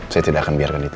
saya tidak akan biarkan itu